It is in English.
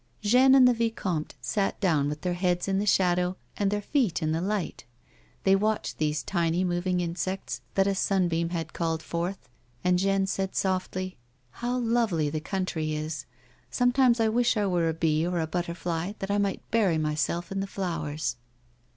Jeanne and the vicomte sat down with their heads in the shadow and their feet in the light. They watched these tiny moving insects that a sunbeam had called forth, and Jeanne said softly :" How lovely the country is ! Sometimes I wish I were a bee or a butterfly that I might bury myself in the flowers."